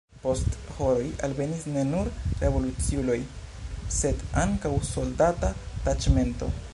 Post horoj alvenis ne nur revoluciuloj, sed ankaŭ soldata taĉmento.